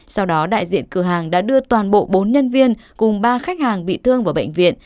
sau đó đại diện cửa hàng đã đưa toàn bộ bốn nhân viên cùng ba khách hàng bị thương vào bệnh viện